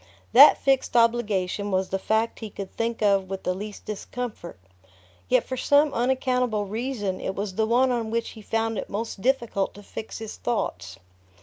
That fixed obligation was the fact he could think of with the least discomfort, yet for some unaccountable reason it was the one on which he found it most difficult to fix his thoughts.